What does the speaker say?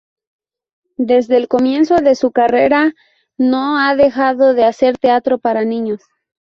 Desde el comienzo de su carrera no ha dejado de hacer teatro para niños.